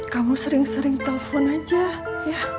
kamu sering sering telpon aja ya